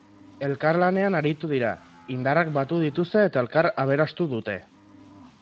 Elkarlanean aritu dira, indarrak batu dituzte eta elkar aberastu dute.